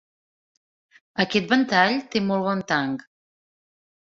Aquest ventall té molt bon tanc.